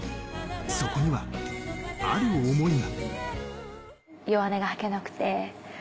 そこにはある想いが。